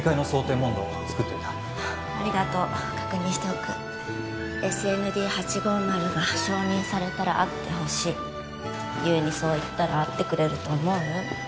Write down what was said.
問答作っておいたありがとう確認しておくＳＮＤ８５０が承認されたら会ってほしい優にそう言ったら会ってくれると思う？